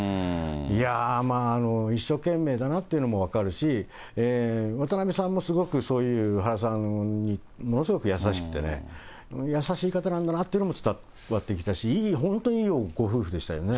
いやー、まあ、一生懸命だなっていうのも分かるし、渡辺さんもすごく、そういう原さんにものすごく優しくてね、優しい方なんだなっていうのも伝わってきたし、本当にいいご夫婦でしたよね。